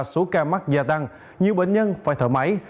số ca mắc gia tăng nhiều bệnh nhân phải thở máy